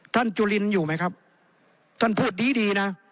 จุลินอยู่ไหมครับท่านพูดดีดีนะ